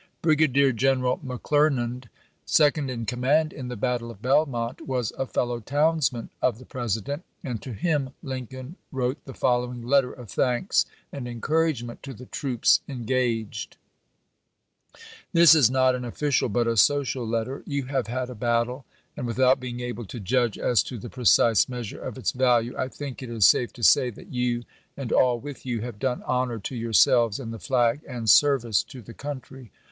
Brigadier General McClernand, second in command in the battle of Belmont, was a fellow townsman of the President, and to him Lincoln wrote the following letter of thanks and encouragement to the troops engaged : This is not an official but a social letter. You have had a battle, and without being able to judge as to the precise measure of its value, I think it is safe to say that you, and all with you, have done honor to yourselves and the flag, and service to the country.